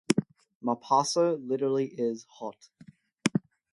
Mapaso literally is "hot".